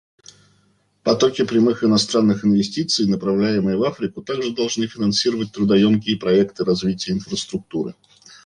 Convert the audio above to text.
Потоки прямых иностранных инвестиций, направляемые в Африку, также должны финансировать трудоемкие проекты развития инфраструктуры.